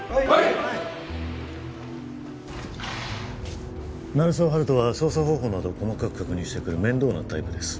はい鳴沢温人は捜査方法などを細かく確認してくる面倒なタイプです